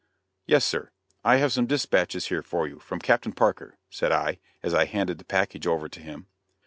"Yes, sir; I have some dispatches here for you, from Captain Parker," said I, as I handed the package over to him.